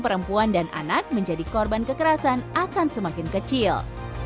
perempuan dan anak menjadi korban kekerasan akan semakin kecil